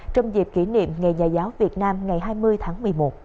trong dịp kỷ niệm ngày nhà giáo việt nam ngày hai mươi tháng một mươi một